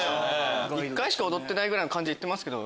一回しか踊ってない感じで言ってますけど。